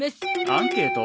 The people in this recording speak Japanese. アンケート？